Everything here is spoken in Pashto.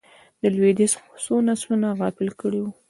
د لوېدیځ څو نسلونه غافل کړي وو.